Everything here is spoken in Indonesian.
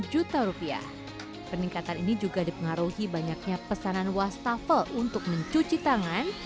dua puluh juta rupiah peningkatan ini juga dipengaruhi banyaknya pesanan wastafel untuk mencuci tangan